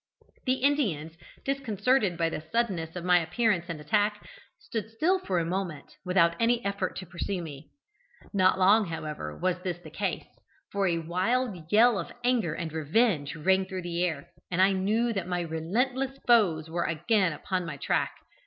The Indians, disconcerted by the suddenness of my appearance and attack, stood still for a moment without any effort to pursue me. Not long, however, was this the case, for a wild yell of anger and revenge rang through the air, and I knew that my relentless foes were again upon my track.